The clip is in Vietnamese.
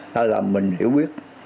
hay là mình hiểu biết